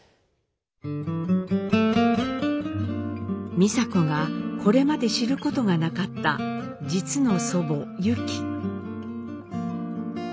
美佐子がこれまで知ることがなかった実の祖母ユキ。